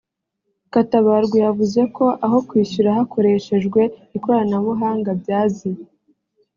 Katabarwa yavuze ko aho kwishyura hakoreshejwe ikoranabuhanga byaziye